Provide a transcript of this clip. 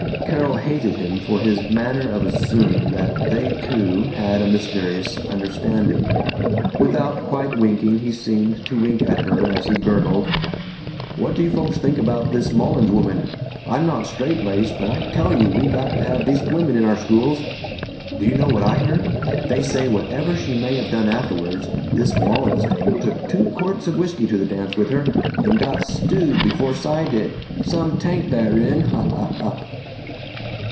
Carol hated him for his manner of assuming that they two had a mysterious understanding. Without quite winking he seemed to wink at her as he gurgled, "What do you folks think about this Mullins woman? I'm not strait laced, but I tell you we got to have decent women in our schools. D' you know what I heard? They say whatever she may of done afterwards, this Mullins dame took two quarts of whisky to the dance with her, and got stewed before Cy did! Some tank, that wren! Ha, ha, ha!"